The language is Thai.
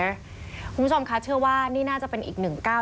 คุณผู้ชมคะเชื่อว่านี่น่าจะเป็นอีกหนึ่งก้าว